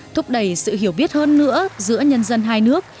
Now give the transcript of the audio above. thúc đẩy sự hiểu biết hơn nữa giữa nhân dân hai nước